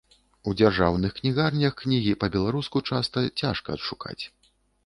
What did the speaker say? У дзяржаўных кнігарнях кнігі па-беларуску часта цяжка адшукаць.